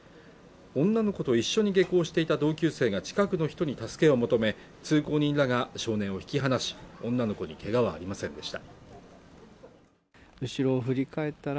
女の子と一緒に下校していた同級生が近くの人に助けを求め通行人らが少年を引き離し女の子にけがはありませんでした